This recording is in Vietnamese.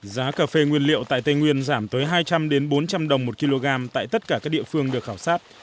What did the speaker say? giá cà phê nguyên liệu tại tây nguyên giảm tới hai trăm linh bốn trăm linh đồng một kg tại tất cả các địa phương được khảo sát